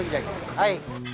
はい。